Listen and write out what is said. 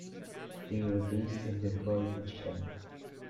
They were based in Detroit, Michigan.